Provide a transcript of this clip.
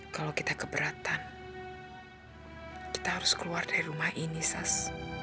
kalau kita keberatan kita harus keluar dari rumah ini sas